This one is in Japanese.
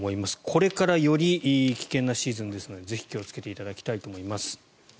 これからより危険なシーズンですのでぜひ気をつけていただきたいと思います。